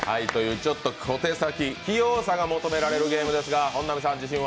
ちょっと小手先、器用さが求められるゲームですが、本並さん、自信は？